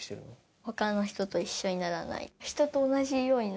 ほかの人と一緒にならない。